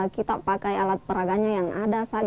kita pakai alat peraganya yang ada saja